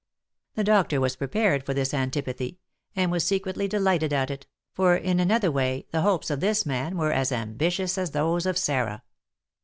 The doctor was prepared for this antipathy, and was secretly delighted at it, for, in another way, the hopes of this man were as ambitious as those of Sarah.